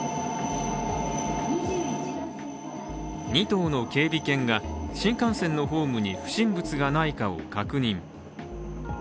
２頭の警備犬が、新幹線のホームに不審物がないかを確認。